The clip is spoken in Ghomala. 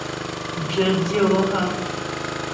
Jyə dyə̌ o hə́ ?